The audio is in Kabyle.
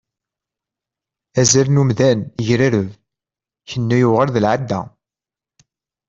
Azal n umdan yegrareb, Kennu yuɣal d lεada.